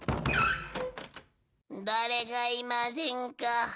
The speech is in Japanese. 誰かいませんか？